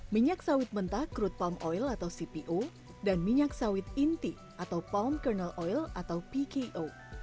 minyak sawit mentah crude palm oil atau cpo dan minyak sawit inti atau palm cornel oil atau pko